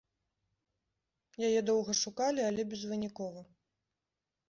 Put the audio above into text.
Яе доўга шукалі, але безвынікова.